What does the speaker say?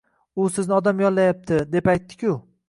U sizni odam yollayapti, deb aytdi-ku